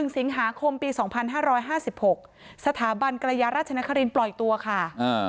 ๑สิงหาคมปี๒๕๕๖สถาบันกรยาราชนครินปล่อยตัวค่ะ